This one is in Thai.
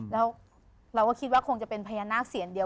แล้วเราก็คิดว่าคงจะเป็นพญานาคเสียนเดียว